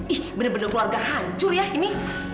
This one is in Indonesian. ih bener bener keluarga hancur ya ini